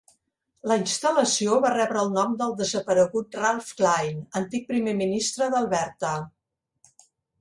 La instal·lació va rebre el nom del desaparegut Ralph Klein, antic primer ministre d'Alberta.